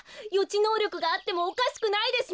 ちのうりょくがあってもおかしくないですね！